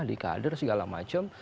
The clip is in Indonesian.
di kader segala macam